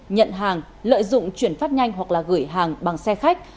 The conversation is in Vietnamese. nhận hàng lợi dụng chuyển phát nhanh hoặc là gửi hàng bằng xe khách